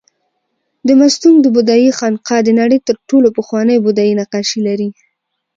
د مستونګ د بودایي خانقاه د نړۍ تر ټولو پخواني بودایي نقاشي لري